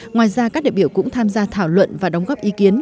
ngoài ra các đại biểu cũng tham gia thảo luận và đóng góp ý kiến